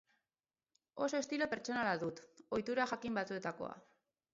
Oso estilo pertsonala dut, ohitura jakin batzuetakoa.